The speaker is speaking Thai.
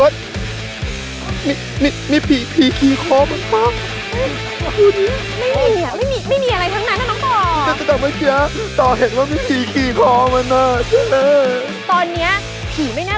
เราเราจะเอาง่ายอะ